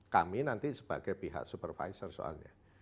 kami nanti sebagai pihak supervisor soalnya